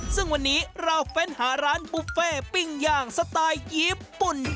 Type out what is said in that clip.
ซึ่งวันนี้เราเฟ้นหาร้านบุฟเฟ่ปิ้งย่างสไตล์ญี่ปุ่น